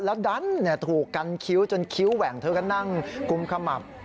แล้วดันถูกกันคิ้วจนคิ้วแหว่งเธอก็นั่งกุมขมับ